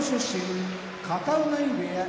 片男波部屋